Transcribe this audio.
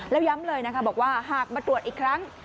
แล้วย้ำเลยนะคะบอกว่าหากมาตรวจอีกครั้ง